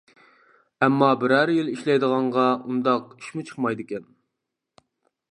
ئەمما بىرەر يىل ئىشلەيدىغانغا ئۇنداق ئىشمۇ چىقمايدىكەن.